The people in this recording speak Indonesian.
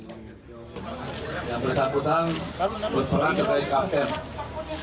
yang bersangkutan kebetulan sebagai kapten